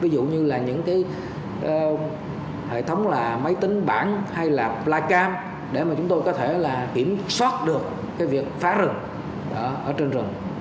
đưa ra một hệ thống máy tính bản hay là black cam để chúng tôi có thể kiểm soát được việc phá rừng trên rừng